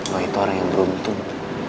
wah itu orang yang beruntung